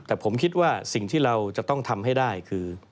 แต่ผมคิดว่าสิ่งที่เราจะต้องทำให้ได้คือ